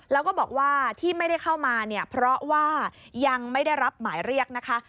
แล้วก็บอกว่าที่ไม่ได้เข้ามาเนี่ยเพราะว่ายังไม่ได้รับหมายเรียกนะคะ